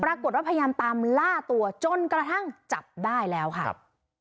พยายามตามล่าตัวจนกระทั่งจับได้แล้วค่ะครับ